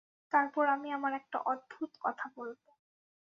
তারপর আমি আমার একটা অদ্ভুদ কথা বলব।